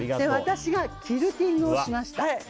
私がキルティングをしました。